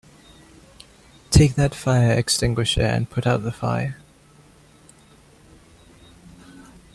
Take that fire extinguisher and put out the fire!